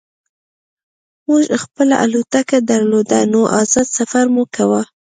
موږ خپله الوتکه درلوده نو ازاد سفر مو کاوه